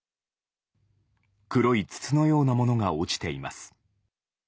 黒い筒のようなものが落ちています。